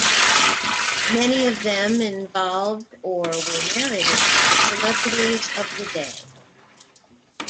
Many of them involved or were narrated by celebrities of the day.